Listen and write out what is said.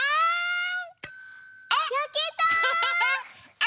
あっ！